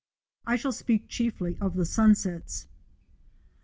I shall speak chiefly of the sunsets.